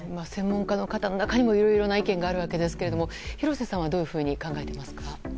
専門家の方の中にもいろいろな意見があるわけですが廣瀬さんはどういうふうに考えますか？